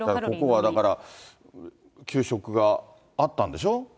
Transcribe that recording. ここはだから、給食があったんでしょ。